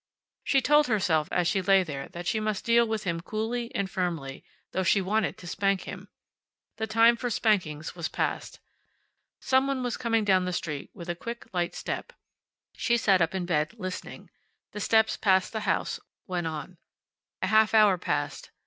She told herself, as she lay there, that she must deal with him coolly and firmly, though she wanted to spank him. The time for spankings was past. Some one was coming down the street with a quick, light step. She sat up in bed, listening. The steps passed the house, went on. A half hour passed.